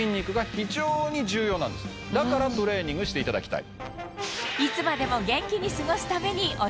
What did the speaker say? だからトレーニングしていただきたい。